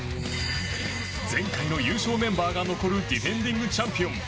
前回の優勝メンバーが残るディフェンディングチャンピオン